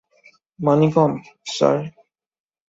Manickam, sir.